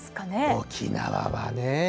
沖縄はね。